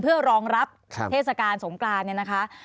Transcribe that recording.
เพื่อรองรับที่เทศกาลสมกลางนะคะ